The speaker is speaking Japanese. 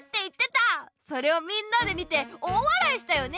それをみんなで見て大わらいしたよね！